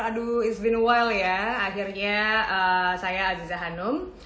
aduh it's been a while ya akhirnya saya aziza hanum